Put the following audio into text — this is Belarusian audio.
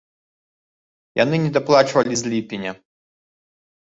Яны недаплачвалі з ліпеня.